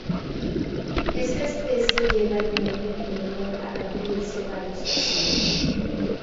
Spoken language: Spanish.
Esta especie lleva el nombre en honor a Gabriel Cevallos García.